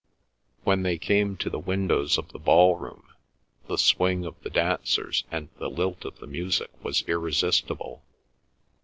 When they came to the windows of the ballroom, the swing of the dancers and the lilt of the music was irresistible.